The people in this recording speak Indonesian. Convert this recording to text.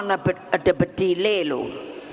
ada bedi leh loh